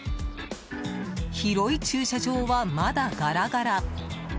広い駐車場は、まだガラガラ。